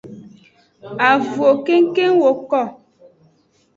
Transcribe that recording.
Avunwo kengkeng woko.